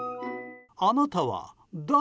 あなたは、誰？